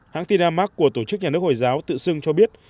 hãng tin amak của tổ chức nhà nước hồi giáo tự sưng cho biết